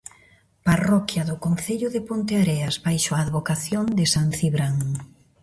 Parroquia do concello de Ponteareas baixo a advocación de san Cibrán.